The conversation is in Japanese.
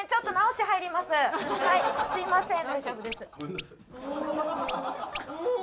はいすいません。